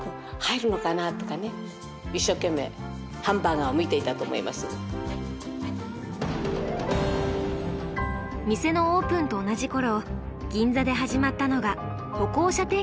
店のオープンと同じ頃銀座で始まったのが歩行者天国です。